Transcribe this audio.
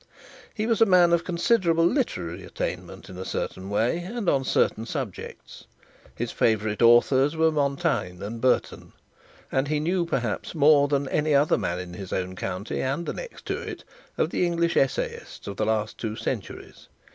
He was a man of considerable literary attainment in a certain way and on certain subjects. His favourite authors were Montaigne and Burton, and he knew more perhaps than any other man in his own county, and the next to it, of the English essayists of the two last centuries.